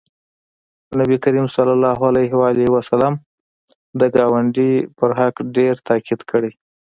نبي کریم صلی الله علیه وسلم د ګاونډي په حق ډېر تاکید کړی